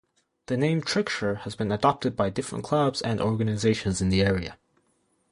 The name Triggshire has been adopted by different clubs and organizations in the area.